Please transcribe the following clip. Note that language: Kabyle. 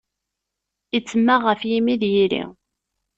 Ittemmeɣ ɣef yimi d yiri.